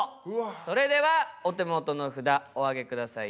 それではお手元の札お上げください。